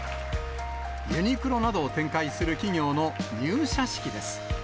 ユニクロなどを展開する企業の入社式です。